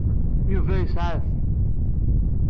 Yuba yesɛa-t.